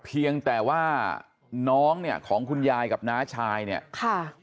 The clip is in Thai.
เพียงแต่ว่าน้องของคุณยายกับน้าชายจริงจริงสินะนะ